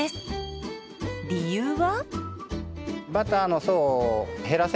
理由は。